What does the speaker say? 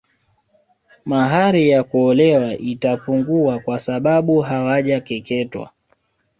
Mahali ya kuolewa itapungua kwa sabau hawajakeketwa